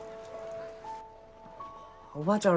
おばあちゃん